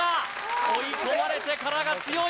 追い込まれてからが強い！